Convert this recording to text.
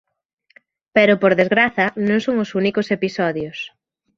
Pero, por desgraza non son os únicos episodios.